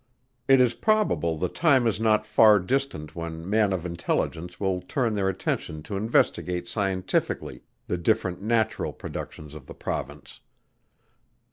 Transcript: It is probable the time is not far distant when men of intelligence will turn their attention to investigate scientifically the different natural productions of the Province.